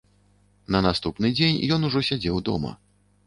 На наступны дзень ён ужо сядзеў дома.